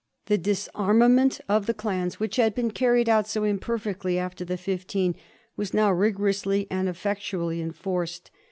The disarmament of the clans, which had been carried out so imperfectly after the Fifteen, was now rigorously and effectually enforced.